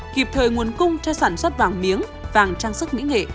kịp thời nguồn cung cho sản xuất vàng miếng vàng trang sức mỹ nghệ